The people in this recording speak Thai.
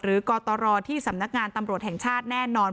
กตรที่สำนักงานตำรวจแห่งชาติแน่นอน